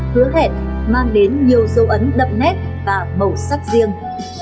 hứa hẹn mang đến nhiều dấu ấn đậm nét và màu sắc riêng